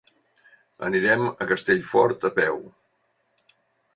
Anirem a Castellfort a peu.